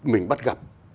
mình bắt gặp